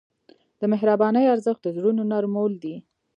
د مهربانۍ ارزښت د زړونو نرمول دي.